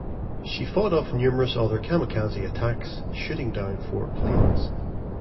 She fought off numerous other kamikaze attacks, shooting down four planes.